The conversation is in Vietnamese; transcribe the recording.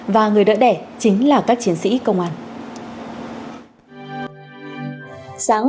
và người đỡ đẻ chính là các chiến sĩ công an